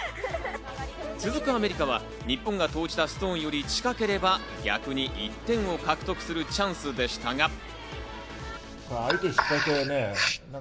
続くアメリカは日本が投じたストーンより近ければ逆に１点を獲得するチャンスでしたが。